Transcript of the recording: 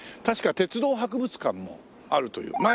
確か鉄道博物館もあるという。